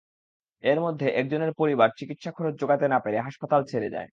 এর মধ্যে একজনের পরিবার চিকিৎসার খরচ জোগাতে না পেরে হাসপাতাল ছেড়ে যায়।